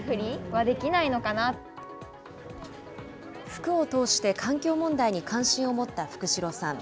服を通して、環境問題に関心を持った福代さん。